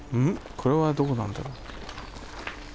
これはどこなんだろう？